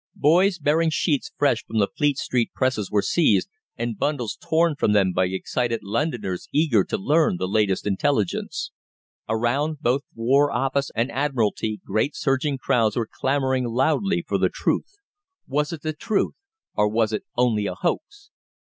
Boys bearing sheets fresh from the Fleet Street presses were seized, and bundles torn from them by excited Londoners eager to learn the latest intelligence. Around both War Office and Admiralty great surging crowds were clamouring loudly for the truth. Was it the truth, or was it only a hoax?